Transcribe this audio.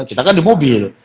dia kan di mobil